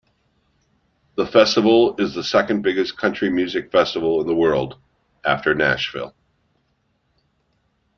The festival is the second biggest country music festival in the world, after Nashville.